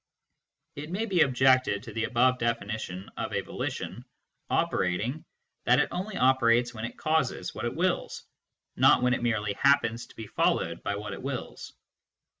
It may be objected to the above definition of a volition " operating " that it only operates when it " causes " what it wills, not when it merely happens to be followed by what it wills.